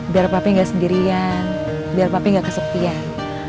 biar papi gak sendirian biar papi gak kesepian